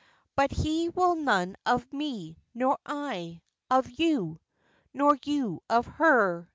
But he will none of me, Nor I Of you. Nor you of her.